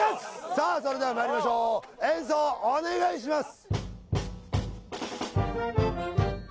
さあそれではまいりましょう演奏お願いします